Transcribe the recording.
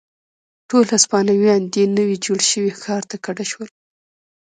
ټول هسپانویان دې نوي جوړ شوي ښار ته کډه شول.